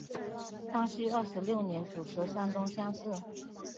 康熙二十六年主持山东乡试。